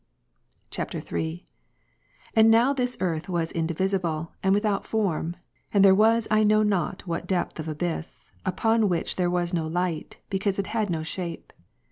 [III.] 3. And now this earth was invisible and ivithout form, and there was I know not what depth of abyss, upon which there was no light, because it had no shape.